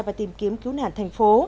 và tìm kiếm cứu nạn thành phố